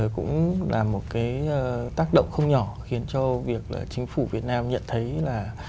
cũng là một cái tác động không nhỏ khiến cho việc là chính phủ việt nam nhận thấy là